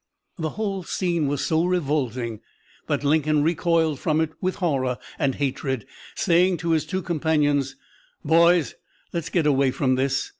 The whole scene was so revolting that Lincoln recoiled from it with horror and hatred, saying to his two companions, "Boys, let's get away from this.